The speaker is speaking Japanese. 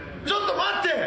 ちょっと待って！